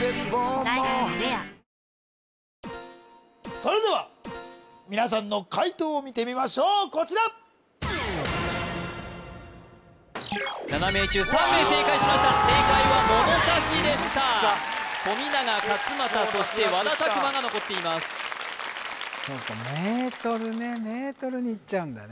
それでは皆さんの解答を見てみましょうこちら７名中３名正解しました正解はものさしでした富永勝間田そして和田拓馬が残っていますそうかメートルねメートルにいっちゃうんだね